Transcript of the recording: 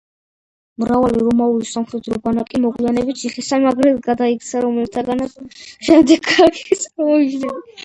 მრავალი რომაული სამხედრო ბანაკი მოგვიანებით ციხესიმაგრედ გადაიქცა, რომელთაგან შემდეგ ქალაქები წარმოიშვნენ.